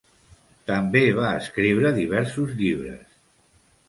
També va escriure diversos llibres.